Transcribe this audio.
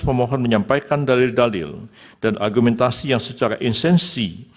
pemohon menyampaikan dalil dalil dan argumentasi yang secara insensi